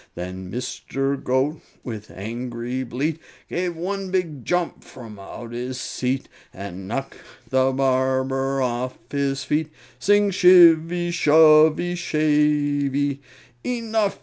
Then Mr. Goat, with angry bleat, Gave one big jump from out his seat, And knocked the barber off his feet Sing shivvy, shovvy, shavey! "Enough!"